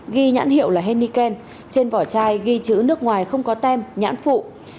ghi nhãn hiệu là henneken trên vỏ chai ghi chữ nước ngoài không có tem nhãn phụ